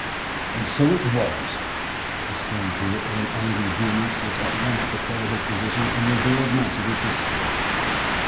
'An' so it was,' exclaimed Hewett, with an angry vehemence which at once declared his position and revealed much of his history.